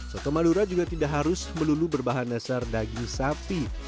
soto madura juga tidak harus melulu berbahan dasar daging sapi